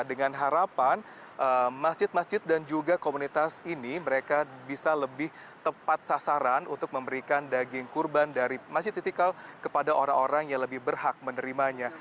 dengan harapan masjid masjid dan juga komunitas ini mereka bisa lebih tepat sasaran untuk memberikan daging kurban dari masjid istiqlal kepada orang orang yang lebih berhak menerimanya